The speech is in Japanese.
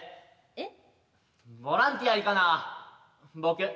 えっ。